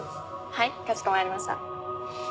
はいかしこまりました。